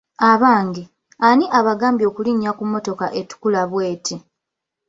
Abange, ani abagambye okulinnya ku mmotoka etukula bweti ?